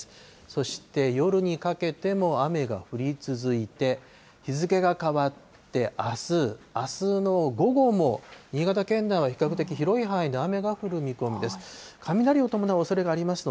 そして夜にかけても雨が降り続いて、日付が変わってあす、あすの午後も新潟県内は比較的広い範囲で雨が降る見込みです。